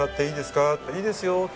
「いいですよ」